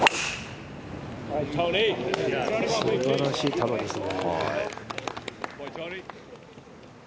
すばらしい球ですね。